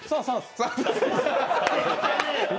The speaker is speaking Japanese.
３。